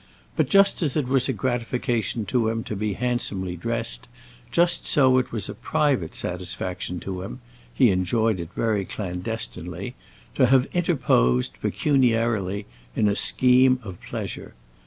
But just as it was a gratification to him to be handsomely dressed, just so it was a private satisfaction to him (he enjoyed it very clandestinely) to have interposed, pecuniarily, in a scheme of pleasure.